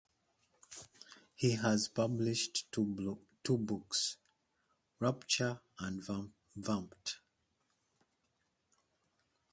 He has published two books, "Rapture" and "Vamped".